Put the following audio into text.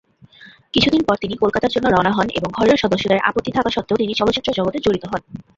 কিছুদিন পর তিনি কলকাতার জন্য রওনা হন এবং ঘরের সদস্যদের আপত্তি থাকা সত্বেও তিনি চলচ্চিত্র জগতে জড়িত হন।